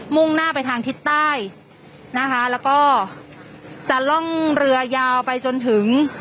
่งหน้าไปทางทิศใต้นะคะแล้วก็จะล่องเรือยาวไปจนถึง